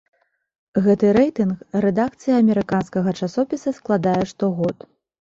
Гэты рэйтынг рэдакцыя амерыканскага часопіса складае штогод.